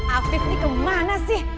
afif ini kemana sih